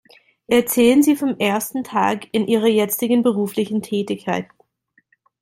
Erzählen Sie vom ersten Tag in ihrer jetzigen beruflichen Tätigkeit.